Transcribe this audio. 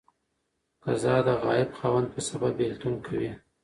قضا د غائب خاوند په سبب بيلتون کوي.